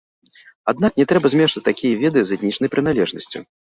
Аднак, не трэба змешваць такія веды з этнічнай прыналежнасцю.